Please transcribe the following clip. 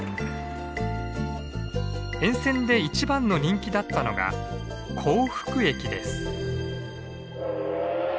沿線で一番の人気だったのが幸福駅です。